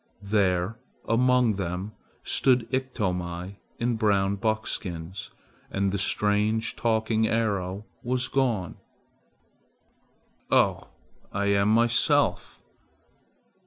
There among them stood Iktomi in brown buckskins, and the strange talking arrow was gone. "Oh! I am myself.